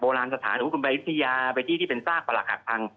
โบราณสถานถูกคือบริษยาไปที่ที่เป็นซากประหลาดพัง